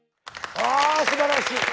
あすばらしい。